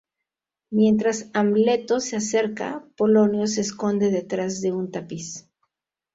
Mientras Amleto se acerca, Polonio se esconde detrás de un tapiz.